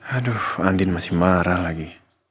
aduh andin masih marah lagi